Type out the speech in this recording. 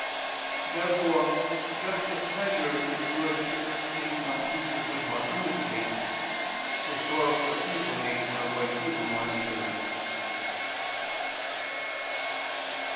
Therefore just as pleasure in the good makes one seek the good more earnestly, so sorrow for evil makes one avoid evil more eagerly.